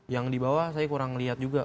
yang di bawah saya kurang lihat juga